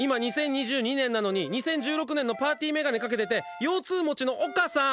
今、２０２２年なのに２０１６年のパーティーメガネかけてて、腰痛持ちの「岡さん」！